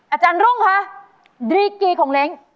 อาจารย์รุ่งคะดรีกีของเล้ง